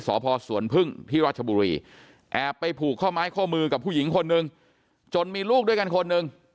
สพสวนพึ่งที่ราชบุรีแอบไปผูกข้อไม้ข้อมือกับผู้หญิงคนนึงจนมีลูกด้วยกันคนหนึ่ง